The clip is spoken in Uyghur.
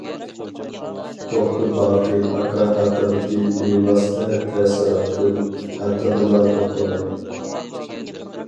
توختى باقى ئاكا ھەققىدىكى بىۋاسىتە تەسىراتىم ھەققىدىلا توختىلاي.